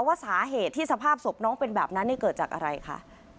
ว่าสาเหตุที่สภาพศพน้องเป็นแบบนั้นเกิดจากอะไรคะ